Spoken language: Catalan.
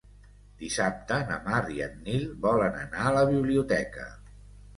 Dissabte na Mar i en Nil volen anar a la biblioteca.